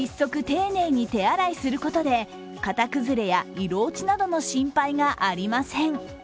丁寧に手洗いすることで型崩れや色落ちなどの心配がありません。